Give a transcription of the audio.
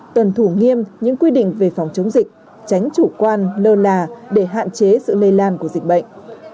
tuần thủ nghiêm những quy định về phòng chống dịch tránh chủ quan lơ là để hạn chế sự lây lan của dịch bệnh